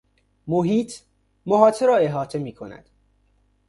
محیط، محاط را احاطه میکند